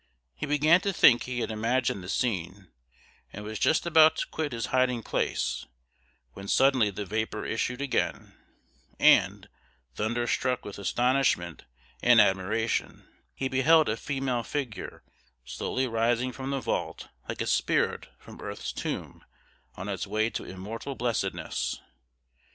He began to think he had imagined the scene, and was just about to quit his hiding place, when suddenly the vapour issued again, and, thunder struck with astonishment and admiration, he beheld a female figure slowly rising from the vault like a spirit from earth's tomb on its way to immortal blessedness!